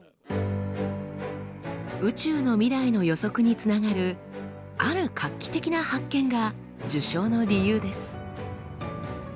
宇宙の未来の予測につながるある画期的な発見が受賞の理由です。